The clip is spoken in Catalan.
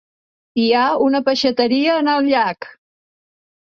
Hi ha una peixateria en el llac.